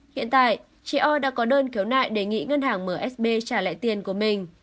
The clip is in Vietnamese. hiện tại chị o đã có đơn kéo nại đề nghị ngân hàng msb trả lại tiền